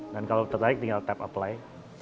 dan kalau tertarik tinggal tap apply